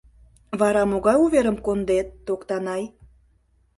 Вара могай уверым кондет, Токтанай?